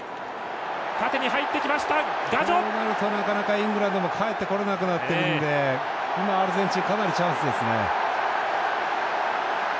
イングランドも帰ってこれなくなってるので今、アルゼンチンかなりチャンスですね。